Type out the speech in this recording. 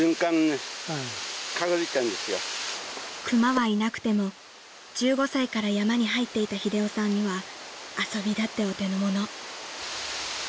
［熊はいなくても１５歳から山に入っていた英雄さんには遊びだってお手のもの］